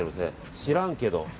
「知らんけど」。